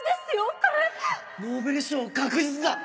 これノーベル賞確実だ！